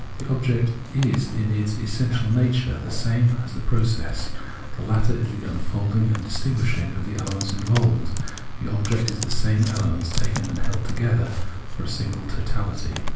The object is in its essential nature the same as the pro cess ; the latter is the unfolding and distinguishing of the elements involved ; the object is these same ele ments taken and held together as a single totality.